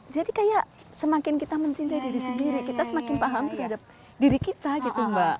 jadi kayak semakin kita mencintai diri sendiri kita semakin paham terhadap diri kita gitu mbak